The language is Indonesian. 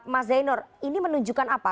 mas zainur ini menunjukkan apa